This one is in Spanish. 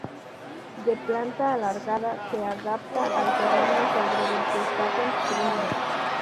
De planta alargada, se adapta al terreno sobre el que está construido.